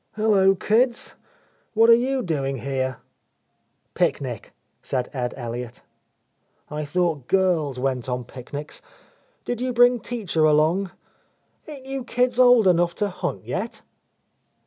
"Hullo, kids. What are you doing here?" "Picnic," said Ed Elliott. "I thought girls went on picnics. Did you bring teacher along? Ain't you kids old enough to hunt yet?"